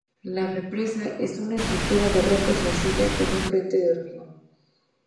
La represa es una estructura de rocas y arcilla, con un frente de hormigón.